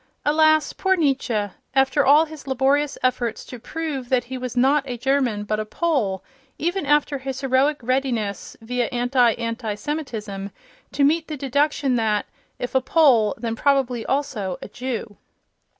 Alas, poor Nietzsche! After all his laborious efforts to prove that he was not a German, but a Pole—even after his heroic readiness, via anti anti Semitism, to meet the deduction that, if a Pole, then probably also a Jew!